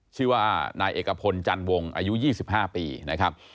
ชื่อว่านายเอกพลจันวงอายุ๒๕ปีนะครับ